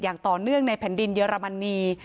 อย่างต่อเนื่องในแผ่นดินเยอรมนี